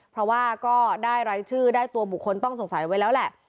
เพราะว่าก็ได้รายชื่อได้ตัวบุคคลต้องสงสัยไว้แล้วแหละ